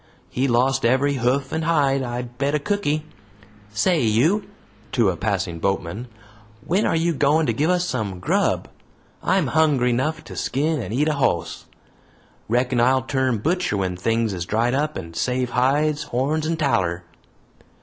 He lost every hoof and hide, I'll bet a cooky! Say you," to a passing boatman, "when are you goin' to give us some grub? I'm hungry 'nough to skin and eat a hoss. Reckon I'll turn butcher when things is dried up, and save hides, horns, and taller."